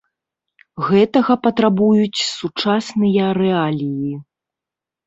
Гэтага патрабуюць сучасныя рэаліі.